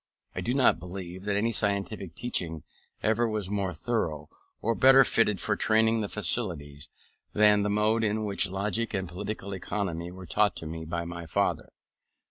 I do not believe that any scientific teaching ever was more thorough, or better fitted for training the faculties, than the mode in which logic and political economy were taught to me by my father.